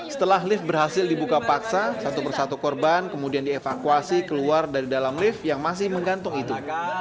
setelah lift berhasil dibuka paksa satu persatu korban kemudian dievakuasi keluar dari dalam lift yang masih menggantung itu